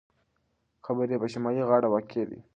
قبر یې په شمالي غاړه واقع دی.